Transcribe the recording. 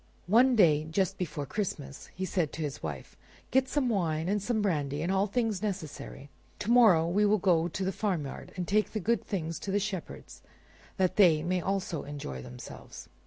One day, just before Christmas, he said to his wife, "Get some wine, and some brandy, and all things necessary; to morrow we will go to the farmyard and take the good things to the shepherds that they may also enjoy themselves."